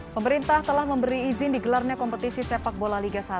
pemerintah telah memberi izin digelarnya kompetisi sepak bola liga satu